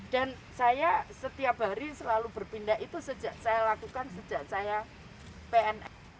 dan saya setiap hari selalu berpindah itu saya lakukan sejak saya pnn